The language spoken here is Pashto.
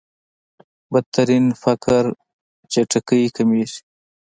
بدترين فقر چټکۍ کمېږي.